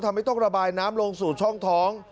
ทำให้ต้องระบายน้ำลงสู่ช่องท้อง